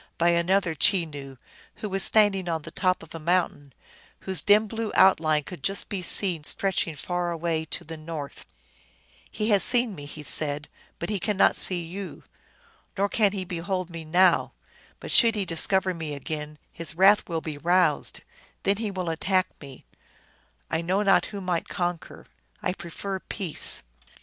And to explain this he said that he had just then been discovered by another Chenoo, who was standing on the top of a mountain, whose dim blue outline could just be seen stretching far away to the north. " He has seen me," he said, " but he can not see you. Nor can he behold me now ; but should he discover me again, his wrath will be roused. Then he will attack me ; I know not who might conquer. I prefer peace."